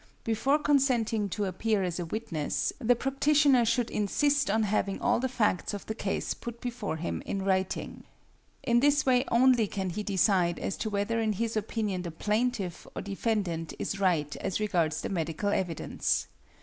Before consenting to appear as a witness the practitioner should insist on having all the facts of the case put before him in writing. In this way only can he decide as to whether in his opinion the plaintiff or defendant is right as regards the medical evidence.